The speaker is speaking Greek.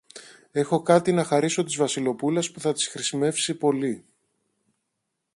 Έχω κάτι να χαρίσω της Βασιλοπούλας που θα της χρησιμεύσει πολύ.